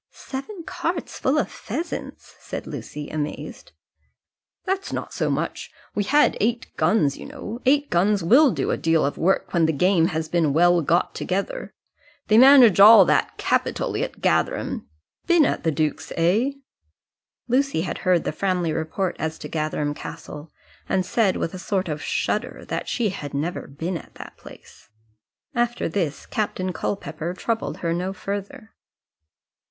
"Seven carts full of pheasants!" said Lucy, amazed. "That's not so much. We had eight guns, you know. Eight guns will do a deal of work when the game has been well got together. They manage all that capitally at Gatherum. Been at the duke's, eh?" Lucy had heard the Framley report as to Gatherum Castle, and said with a sort of shudder that she had never been at that place. After this, Captain Culpepper troubled her no further.